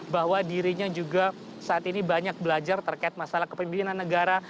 bahwa dirinya juga saat ini banyak belajar terkait masalah kepemimpinan negara